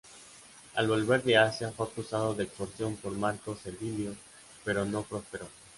Al volver de Asia fue acusado de extorsión por Marco Servilio, pero no prosperó.